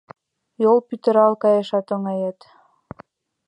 Йол пӱтырал каяшет оҥает.